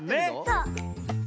そう。